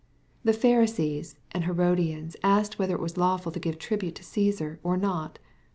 The Pharisees and Herodians asked whether it was lawful to give tribute to Caesar or not.